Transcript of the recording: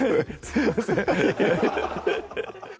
すいません